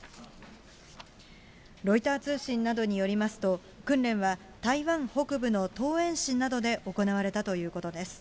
ロイター通信などによりますと、訓練は台湾北部の桃園市などで行われたということです。